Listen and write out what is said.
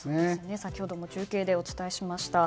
先ほども中継でお伝えしました。